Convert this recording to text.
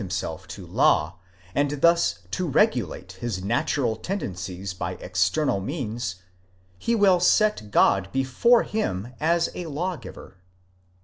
himself to law, and thus to regulate his natural tendencies by external means, he will set God before him as a lawgiver.